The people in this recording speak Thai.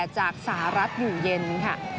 จากสหรัฐอยู่เย็นค่ะ